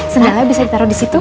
segalanya bisa ditaruh di situ